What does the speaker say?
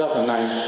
ra khỏi này